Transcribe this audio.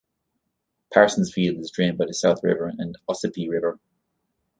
Parsonsfield is drained by the South River and Ossipee River.